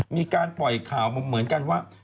มีการปล่อยข่าวเหมือนกันว่า